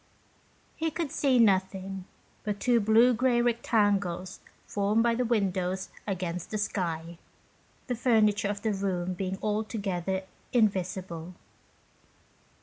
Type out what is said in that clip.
He could see nothing but two blue grey rectangles formed by the windows against the sky, the furniture of the room being altogether invisible.